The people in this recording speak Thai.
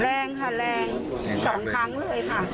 แรงค่ะแรงสองครั้งเลยค่ะสองครั้งเลย